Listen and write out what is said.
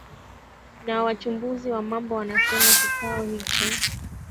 na wachambuzi wa mambo wanasema kikao hicho